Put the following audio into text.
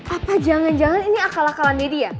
apa jangan jangan ini akal akalan daddy ya